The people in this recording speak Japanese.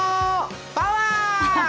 パワー！